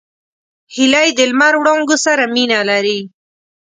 هیلۍ د لمر وړانګو سره مینه لري